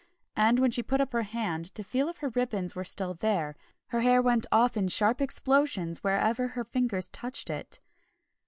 And when she put up her hand, to feel if her ribbons were still there, her hair went off in sharp explosions wherever her fingers touched it.